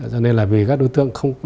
cho nên là vì các đối tượng